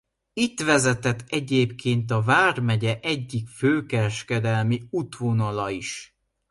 Itt vezetett egyébként a vármegye egyik fő kereskedelmi útvonala is.